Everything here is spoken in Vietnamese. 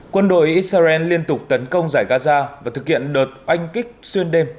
quân đội israel liên tục tấn công giải gaza và thực hiện đợt oanh kích xuyên đêm